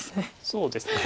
そうですね。